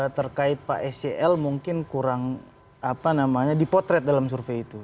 terkait pak scl mungkin kurang dipotret dalam survei itu